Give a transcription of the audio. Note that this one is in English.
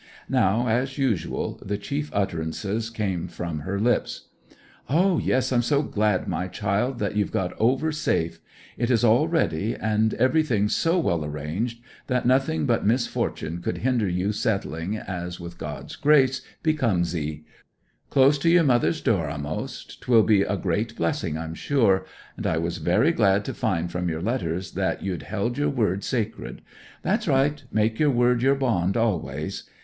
Now, as usual, the chief utterances came from her lips. 'Ah, yes, I'm so glad, my child, that you've got over safe. It is all ready, and everything so well arranged, that nothing but misfortune could hinder you settling as, with God's grace, becomes 'ee. Close to your mother's door a'most, 'twill be a great blessing, I'm sure; and I was very glad to find from your letters that you'd held your word sacred. That's right make your word your bond always.